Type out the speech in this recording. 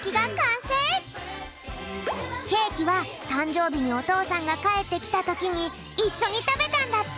ケーキはたんじょうびにおとうさんがかえってきたときにいっしょにたべたんだって！